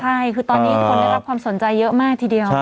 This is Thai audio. ใช่คือตอนนี้คนได้รับความสนใจเยอะมากทีเดียว